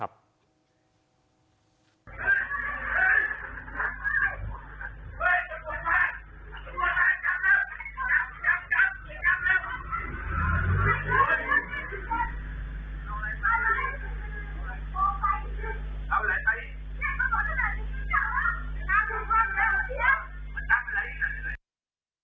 กลับมา